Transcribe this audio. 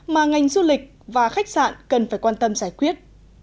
mà ngành du lịch và khách sạn cần phải quan tâm giải quyết